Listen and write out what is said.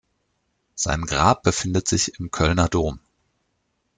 Sein Grab befindet sich im Kölner Dom.